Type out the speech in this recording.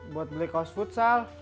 buat beli kaos futsal